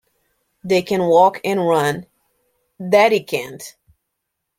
They can walk and run, Daddy can't.